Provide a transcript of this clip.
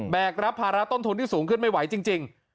กรับภาระต้นทุนที่สูงขึ้นไม่ไหวจริง